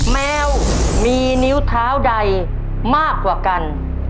แมวมีนิ้วเท้าใดมากกว่ากัน